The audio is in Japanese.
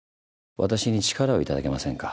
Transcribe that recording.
私に力を頂けませんか？